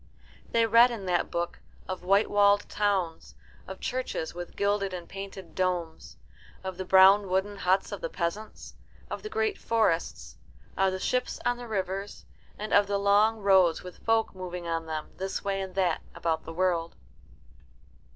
They read in that book of white walled towns, of churches with gilded and painted domes, of the brown wooden huts of the peasants, of the great forests, of the ships on the rivers, and of the long roads with the folk moving on them, this way and that, about the world.